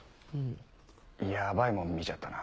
ヤバいもん見ちゃったな。